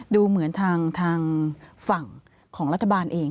ดูเหมือนทางฝั่งของรัฐบาลเอง